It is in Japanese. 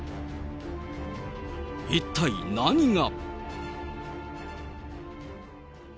一体何が。